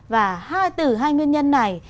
và từ hai nguyên nhân này